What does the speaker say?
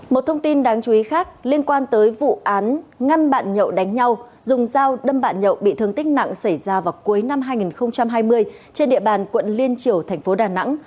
một thông tin đáng chú ý khác liên quan tới vụ án ngăn bạn nhậu đánh nhau dùng dao đâm bạn nhậu bị thương tích nặng xảy ra vào cuối năm hai nghìn hai mươi trên địa bàn quận liên triều thành phố đà nẵng